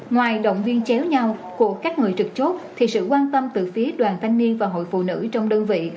ngoài động viên chéo nhau của các người trực chốt thì sự quan tâm từ phía đoàn thanh niên và hội phụ nữ trong đơn vị